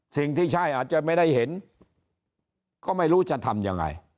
สิ่งที่ใช่อาจจะไม่ได้เห็นก็ไม่รู้จะทำยังไง